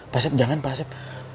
pak sep jangan pak sep